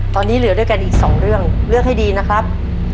ตอนนี้เหลือด้วยกันอีกสองเรื่องเลือกให้ดีนะครับ